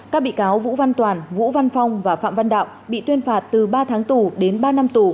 các bị cáo vũ văn toàn vũ văn phong và phạm văn đạo bị tuyên phạt từ ba tháng tù đến ba năm tù